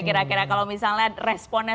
kira kira kalau misalnya responnya